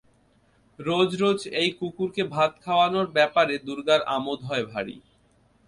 রোজ রোজ এই কুকুরকে ভাত খাওয়ানোর ব্যাপারে দুর্গার আমোদ হয় ভারি।